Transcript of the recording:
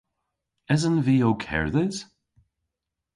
Esen vy ow kerdhes?